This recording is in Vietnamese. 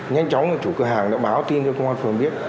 nhanh chóng chủ cửa hàng đã báo tin cho công an phường biết